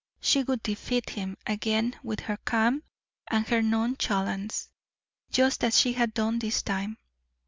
She would defeat him again with her calm and her nonchalance, just as she had done this time.